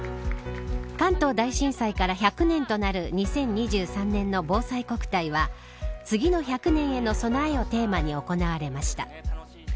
関東大震災から１００年となる２０２３年のぼうさいこくたいは次の１００年への備えをテーマに行われました。